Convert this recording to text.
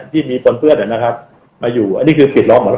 ที่มีปนเปื้อนนะครับมาอยู่อันนี้คือปิดล้อมหมดเลย